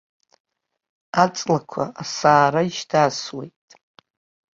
Аҵлақәа асаара ишьҭасуеит.